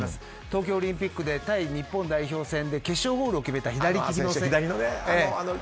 東京オリンピックで対日本代表選で決勝ゴールを決めた選手。